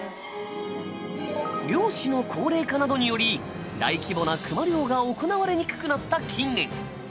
猟師の高齢化などにより大規模なクマ猟が行われにくくなった近年。